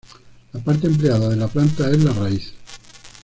La parte empleada de la planta es la raíz.